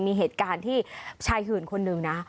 มีเหตุการณ์ที่ชายหื่นคนหนึ่งนะ